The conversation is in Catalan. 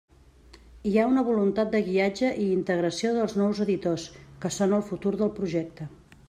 Hi ha una voluntat de guiatge i integració dels nous editors, que són el futur del projecte.